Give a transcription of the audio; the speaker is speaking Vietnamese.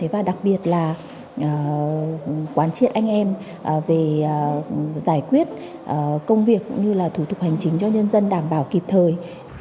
và đặc biệt là quán triện anh em về giải quyết công việc cũng như là thủ tục hành chính cho nhân dân đảm bảo kịp thời